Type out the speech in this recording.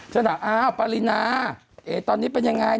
ฉันต้องอ้าวปริณาตอนนี้เป็นอย่างไร